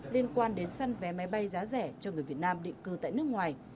liên quan đến săn vé máy bay giá rẻ cho người việt nam định cư tại nước ngoài